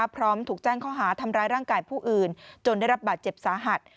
พร้อมถูกแจ้งข้อหาทำร้ายร่างกายผู้อื่นจนได้รับบาดเจ็บสาหัส